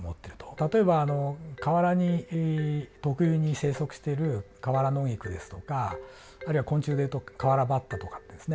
例えば河原に特有に生息しているカワラノギクですとかあるいは昆虫でいうとカワラバッタとかですね。